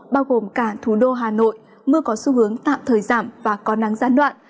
bao gồm cả thủ đô hà nội mưa có xu hướng tạm thời giảm và có nắng gián đoạn